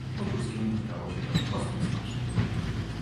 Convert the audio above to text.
"Wokulskiemu wydało się to wprost niesmaczne."